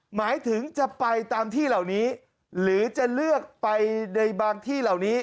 หมายถึงจะไปตามที่เหล่านี้หรือจะเลือกไปในบางที่เหล่านี้